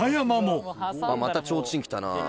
「またちょうちんきたな」